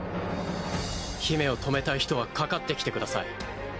姫を止めたい人はかかってきてください。